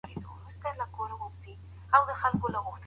پخواني خلګ هم له وژنو او چور سره مخ وه.